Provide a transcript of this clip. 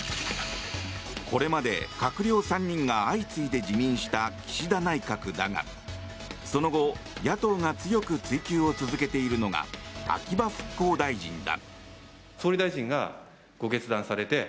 これまで閣僚３人が相次いで辞任した岸田内閣だがその後、野党が強く追及を続けているのが秋葉復興大臣だ。